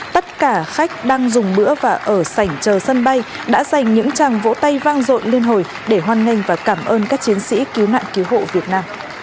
tất cả khách đang dùng bữa và ở sảnh chờ sân bay đã dành những chàng vỗ tay vang rộn lên hồi để hoan nghênh và cảm ơn các chiến sĩ cứu nạn cứu hộ việt nam